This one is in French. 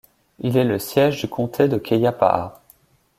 Il est le siège du Comté de Keya Paha.